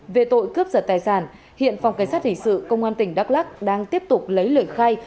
về tội cướp giật tài sản hiện phòng cảnh sát hình sự công an tỉnh đắk lắc đang tiếp tục lấy lời khai